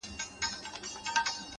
• په لښکر د مریدانو کي روان وو ,